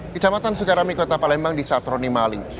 kecamatan sukarami kota palembang di satroni maling